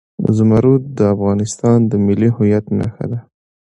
زمرد د افغانستان د ملي هویت نښه ده.